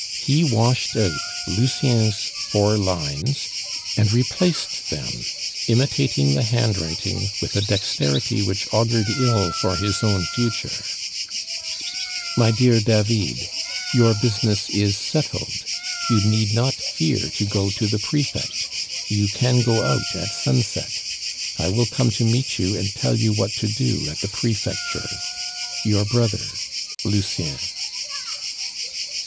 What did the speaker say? He washed out Lucien's four lines and replaced them, imitating the handwriting with a dexterity which augured ill for his own future: "MY DEAR DAVID, Your business is settled; you need not fear to go to the prefect. You can go out at sunset. I will come to meet you and tell you what to do at the prefecture. Your brother, "LUCIEN."